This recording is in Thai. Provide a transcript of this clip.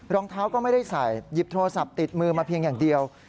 รองเท้าก็ไม่ได้ใส่หยิบโทรศัพท์ติดมือมาเพียงอย่างเดียว